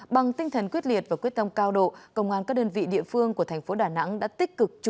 bằng tinh thần quyết liệt và quyết tâm cao độ công an các đơn vị địa phương của tp đà nẵng đã tích cực